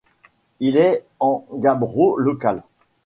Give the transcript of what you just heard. Il est en gabbro local.